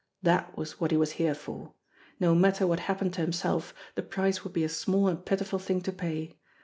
That was what he was here for. No matter what happened to himself, the price would be a small and pitiful thing to pay.